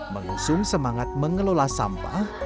mengusung semangat mengelola sampah